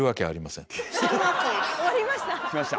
終わりました！